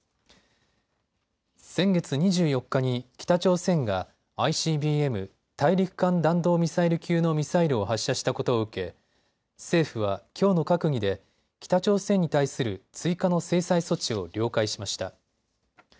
先月２４日に北朝鮮がＩＣＢＭ・大陸間弾道ミサイル級のミサイルを発射したことを受け、政府はきょうの閣議で北朝鮮に対する追加の制裁措置を了解しました。